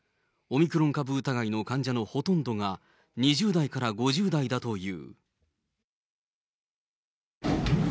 オミクロン株疑いの患者のほとんどが２０代から５０代だという。